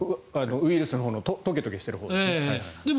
ウイルスのほうのとげとげしているものですね。